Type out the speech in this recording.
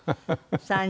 ３人。